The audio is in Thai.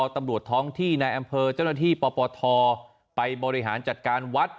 ตำรวจท้องที่ในอำเภอเจ้าหน้าที่ปปทไปบริหารจัดการวัด